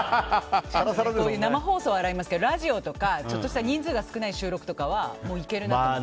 生放送は洗いますけどラジオとか、ちょっとした人数が少ない収録とかはもういけるなって。